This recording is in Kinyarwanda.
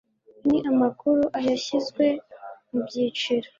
ayo ni amakuru yashyizwe mu byiciro